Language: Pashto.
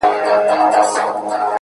هغه وايي يو درد مي د وزير پر مخ گنډلی،